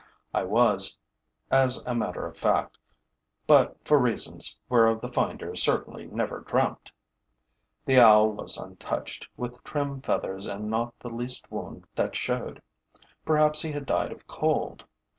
I was, as a matter of fact, but for reasons whereof the finder certainly never dreamt. The owl was untouched, with trim feathers and not the least wound that showed. Perhaps he had died of cold.